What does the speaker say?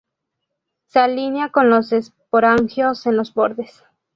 Se alinea con los esporangios en los bordes.